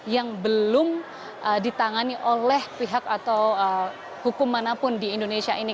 yang belum ditangani oleh pihak atau hukum manapun di indonesia ini